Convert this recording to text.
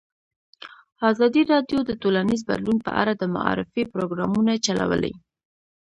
ازادي راډیو د ټولنیز بدلون په اړه د معارفې پروګرامونه چلولي.